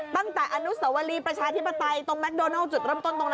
ตั้งแต่อนุสวรีประชาธิปไตยตรงแมคโดนัลจุดเริ่มต้นตรงนั้น